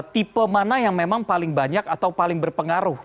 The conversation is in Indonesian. tipe mana yang memang paling banyak atau paling berpengaruh